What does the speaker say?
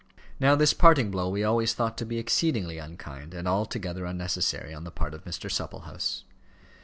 Now this parting blow we always thought to be exceedingly unkind, and altogether unnecessary, on the part of Mr. Supplehouse.